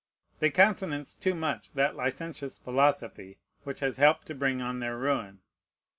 They countenanced too much that licentious philosophy which has helped to bring on their ruin.